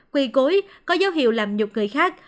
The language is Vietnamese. quỳ cối có dấu hiệu làm nhục người khác